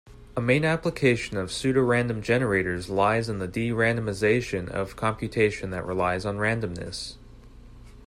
A main application of pseudorandom generators lies in the de-randomization of computation that relies on randomness.